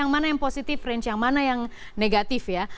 mana yang positif range yang mana yang negatif ya